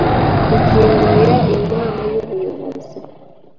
Ingingo ya inama y ubuyobozi